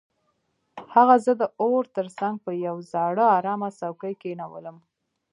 هغه زه د اور تر څنګ په یو زاړه ارامه څوکۍ کښینولم